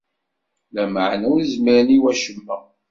Lameɛna ur zmiren i wacemma.